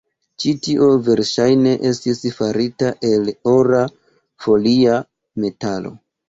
Ĉi tio verŝajne estis farita el ora folia metalo.